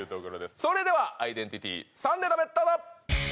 それではアイデンティティ３ネタ目どうぞ！